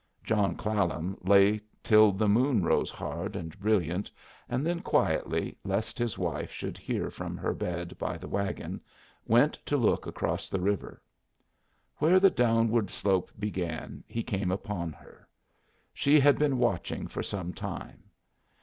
John Clallam lay till the moon rose hard and brilliant, and then quietly, lest his wife should hear from her bed by the wagon, went to look across the river. Where the downward slope began he came upon her. She had been watching for some time.